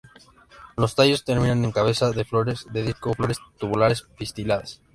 Los tallos terminan en cabezas de flores de disco o flores tubulares pistiladas.